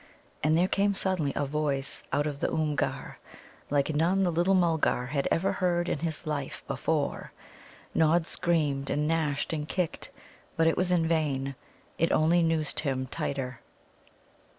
And there came suddenly a voice out of the Oomgar, like none the little Mulgar had ever heard in his life before. Nod screamed and gnashed and kicked. But it was in vain. It only noosed him tighter.